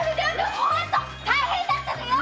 大変だったのよ。